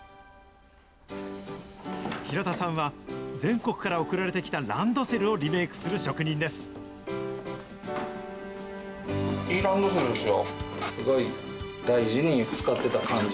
平田さんは、全国から送られてきたランドセルをリメイクする職人です。